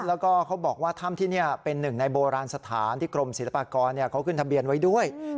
แล้วก็เขาบอกว่าถ้ำที่นี่เป็นหนึ่งในโบราณสถานที่กรมศิลปากรเขาขึ้นทะเบียนไว้ด้วย